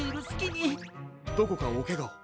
どこかおケガを？